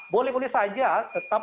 boleh boleh saja tetap